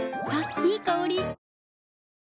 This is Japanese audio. いい香り。